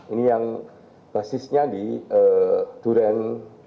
ini yang basisnya di duren